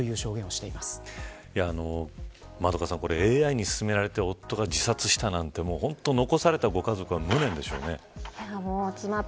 円香さん、ＡＩに勧められて夫が自殺したなんて残されたご家族は無念でしょうね。